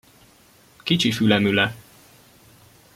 Kicsi fülemüle!